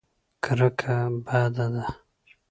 کرکه بده ده.